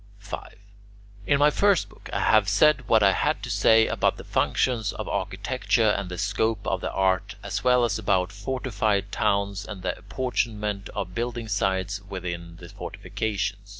5. In my first book, I have said what I had to say about the functions of architecture and the scope of the art, as well as about fortified towns and the apportionment of building sites within the fortifications.